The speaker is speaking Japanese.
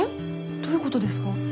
どういうことですか？